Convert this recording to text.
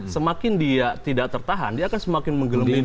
semakin dia tidak tertahan dia akan semakin menggelimi